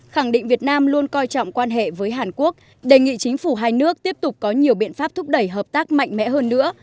khẳng định việt nam luôn coi trọng quan hệ với hàn quốc đề nghị chính phủ hai nước tiếp tục có nhiều biện pháp thúc đẩy hợp tác mạnh mẽ hơn nữa